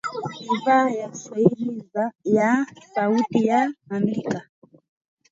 idhaa ya kiswahili ya sauti ya Amerika